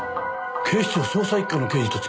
警視庁捜査一課の刑事と付き合ってる。